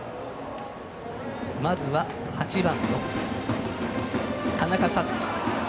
まずは、８番の田中和基。